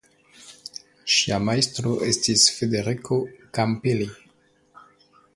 Ŝia majstro estis Federico Campilli.